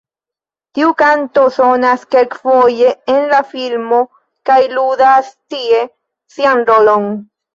Tiu kanto sonas kelkfoje en la filmo kaj ludas tie sian rolon.